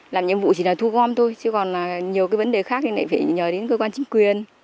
làm nhiệm vụ chỉ là thu gom thôi chứ còn nhiều cái vấn đề khác thì lại phải nhờ đến cơ quan chính quyền